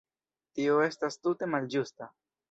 Tio estas tute malĝusta.